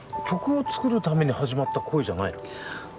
曲を作るために始まった恋じゃないの？